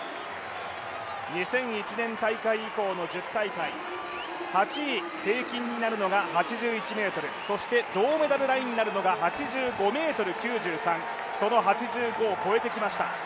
２００１年大会以降の１０大会、８位平均になるのが８１ｍ、そして銅メダルラインになるのは８５ｍ９３、その８５を越えてきました。